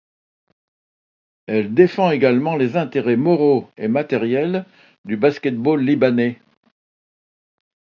Elle défend également les intérêts moraux et matériels du basket-ball libanais.